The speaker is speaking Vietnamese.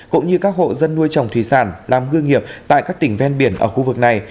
cũng như các hộ dân nuôi trồng thủy sản làm hương nghiệp tại các tỉnh ven biển ở khu vực này